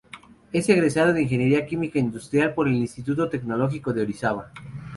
Es egresado de Ingeniería Química Industrial por el Instituto Tecnológico de Orizaba.